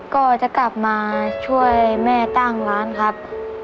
ก็จะกลับมาช่วยแม่ตั้งร้านครับ